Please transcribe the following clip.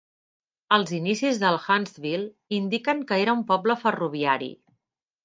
Els inicis del Huntsville indiquen que era un poble ferroviari.